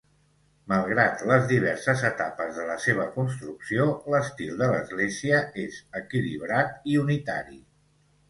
Malgrat les diverses etapes de la seva construcció, l'estil de l'església és equilibrat i unitari.